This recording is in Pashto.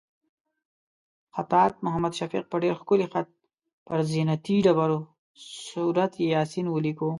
خطاط محمد شفیق په ډېر ښکلي خط پر زینتي ډبرو سورت یاسین ولیکلو.